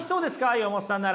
岩本さんなら。